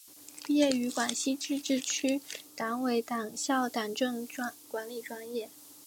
毕业于广西自治区党委党校党政管理专业。